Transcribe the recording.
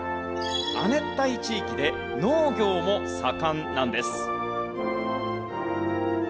亜熱帯地域で農業も盛んなんです。